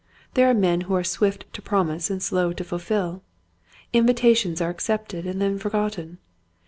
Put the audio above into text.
There are men who are swift to promise and slow to fulfill. Invitations are accepted and then forgotten.